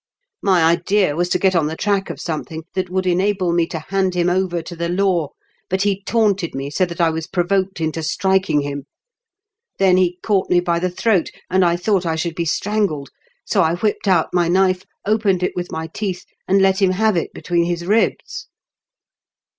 My idea was to get on the track of something that would enable me to hand him over to the law ; but he taunted me so that I was provoked into striking him. Then he caught me by the throat and I thought I should be strangled ; so I whipped out my knife, opened it with my teeth, and let him have it between his ribs."